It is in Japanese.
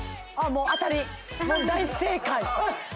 もう当たり大正解